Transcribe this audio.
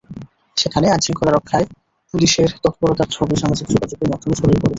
সেখানে আইনশৃঙ্খলা রক্ষায় পুলিশের তৎপরতায় ছবি সামাজিক যোগাযোগ মাধ্যমে ছড়িয়ে পড়েছে।